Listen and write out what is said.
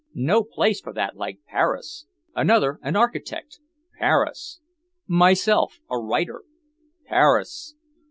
No place for that like Paris! Another an architect Paris! Myself a writer Paris!